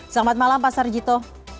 selamat malam pak sarjito